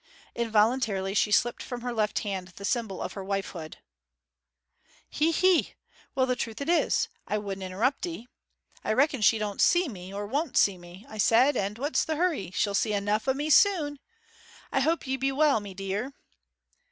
Involuntarily she slipped from her left hand the symbol of her wifehood. 'Hee hee! Well, the truth is, I wouldn't interrupt 'ee. "I reckon she don't see me, or won't see me," I said, "and what's the hurry? She'll see enough o' me soon!" I hope ye be well, mee deer?'